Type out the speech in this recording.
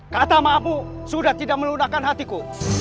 kata maafu sudah tidak melunakan hatiku